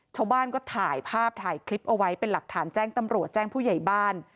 ชาวบ้านก็ถ่ายภาพถ่ายคลิปเอาไว้เป็นหลักฐานแจ้งตำรวจแจ้งผู้ใหญ่บ้าน